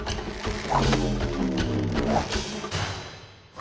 あ？